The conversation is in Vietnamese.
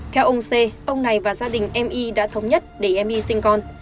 theo ông c ông này và gia đình em y đã thống nhất để em y sinh con